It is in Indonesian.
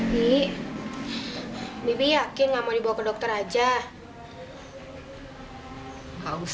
bapak sudah ingat apa yang saya lakukan aja